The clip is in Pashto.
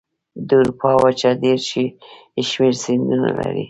د اروپا وچه ډېر شمیر سیندونه لري.